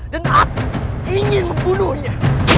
dan aku ingin membunuhnya